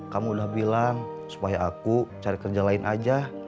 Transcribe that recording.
kamu udah bilang supaya aku cari kerja lain aja